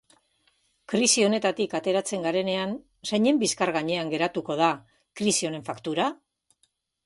Krisi honetatik ateratzen garenean, zeinen bizkar gainean geratuko da krisi honen faktura?